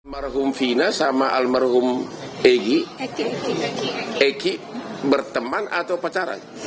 almarhum fina sama almarhum eki berteman atau pacaran